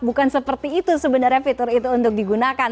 bukan seperti itu sebenarnya fitur itu untuk digunakan